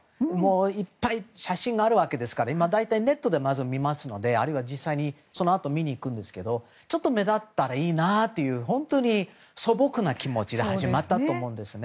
いっぱい写真があるわけですから今、大体ネットでまず見ますので実際にそのあと見に行くんですがちょっと目立ったらいいなという本当に素朴な気持ちで始まったと思うんですね。